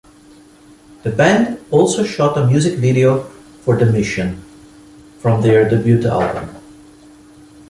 The band also shot a music video for "The Mission" from their debut album.